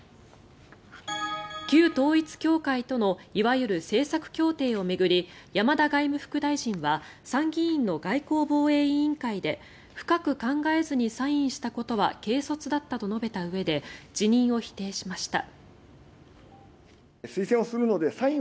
旧統一教会とのいわゆる政策協定を巡り山田外務副大臣は参議院の外交防衛委員会で深く考えずにサインしたことは軽率だったと述べたうえで辞任を否定しました。